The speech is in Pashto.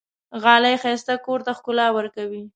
غالۍ ښایسته کور ته ښکلا ورکوي.